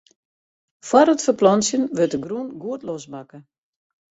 Fóár it ferplantsjen wurdt de grûn goed losmakke.